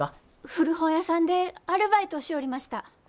古本屋さんでアルバイトをしょうりました。